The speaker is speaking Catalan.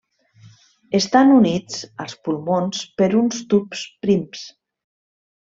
Estan units als pulmons per uns tubs prims.